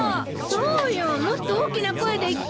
そうよもっと大きな声で言って。